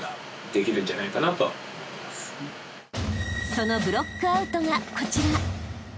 ［そのブロックアウトがこちら］